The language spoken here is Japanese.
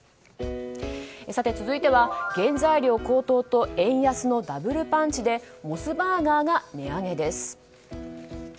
続いては原材料高騰と円安のダブルパンチでモスバーガーが値上げです。